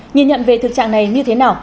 nhìn nhận về thực trạng này như thế nào